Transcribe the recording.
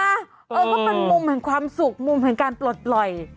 เออเพราะมันมุมของความสุขมุมของการปลดปล่อย